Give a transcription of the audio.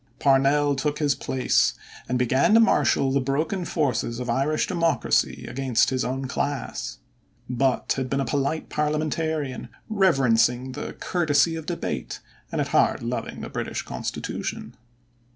Parnell took his place and began to marshal the broken forces of Irish democracy against his own class. Butt had been a polite parliamentarian, reverencing the courtesy of debate and at heart loving the British Constitution.